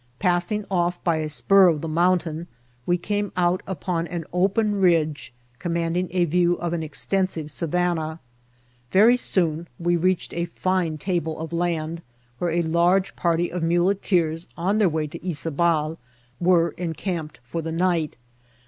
Passing off by a spur of the mountain, we came out upon an open ridge, command* ing a view of an extensive savannah. Very soon we reached a fine table of land, where a large party of muleteers on their way to Yzabal were encamped for the night.